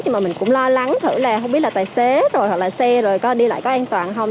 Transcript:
nhưng mà mình cũng lo lắng thử là không biết là tài xế rồi hoặc là xe rồi có đi lại có an toàn không